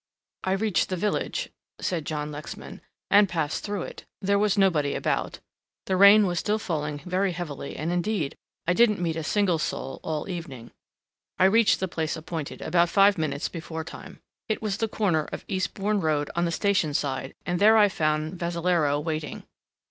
"I reached the village," said John Lexman, "and passed through it. There was nobody about, the rain was still falling very heavily and indeed I didn't meet a single soul all the evening. I reached the place appointed about five minutes before time. It was the corner of Eastbourne Road on the station side and there I found Vassalaro waiting.